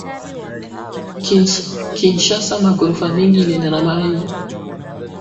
Kinshasa ma gorofa mingi ilienda na mayi